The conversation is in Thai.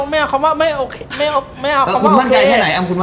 ไม่เอาคำว่าไม่โอเค